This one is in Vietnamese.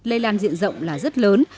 lây lan diện rộng là rất lớn